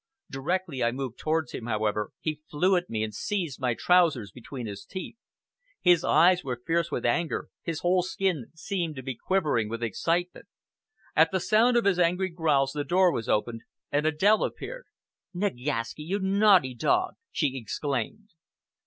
Directly I moved towards him, however, he flew at me, and seized my trousers between his teeth. His eyes were fierce with anger, his whole skin seemed to be quivering with excitement. At the sound of his angry growls, the door was opened, and Adèle appeared. "Nagaski, you naughty dog!" she exclaimed.